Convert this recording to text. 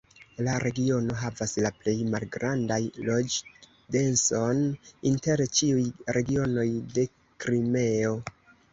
La regiono havas la plej malgrandan loĝ-denson inter ĉiuj regionoj de Krimeo.